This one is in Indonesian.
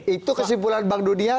itu kesimpulan bank dunia